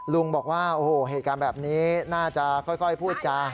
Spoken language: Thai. ลุงบอกว่าโอ้โหเหตุการณ์แบบนี้น่าจะค่อยพูดจา